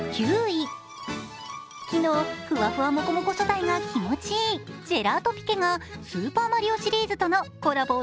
昨日、ふわふわモコモコ素材が気持ちいい、ジェラートピケが「スーパーマリオ」シリーズとのコラボ